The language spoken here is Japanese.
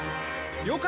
了解！